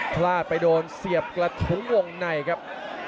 พลาดไปโดนเสียบกระถุงวงในครับ